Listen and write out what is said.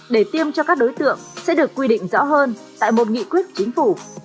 để tiêm cho các đối tượng sẽ được quy định rõ hơn tại một nghị quyết chính phủ